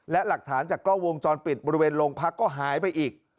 และหลักฐานจากกล้องวงจรปิดบริเวณโรงพักก็หายไปอีก